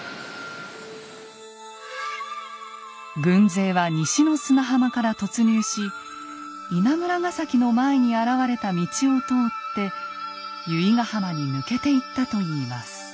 軍勢は西の砂浜から突入し稲村ヶ崎の前に現れた道を通って由比ガ浜に抜けていったといいます。